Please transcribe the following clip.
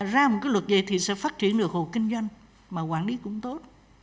ra một cái luật nghề thì sẽ phát triển được hộ kinh doanh mà quản lý cũng tốt